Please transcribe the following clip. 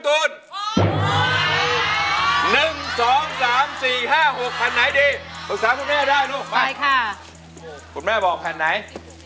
คุณแม่กระซิบเลยบอกแผ่นที่๘